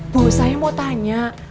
bu saya mau tanya